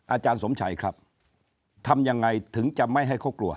อาจารย์สมชัยครับทำยังไงถึงจะไม่ให้เขากลัว